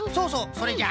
それじゃ。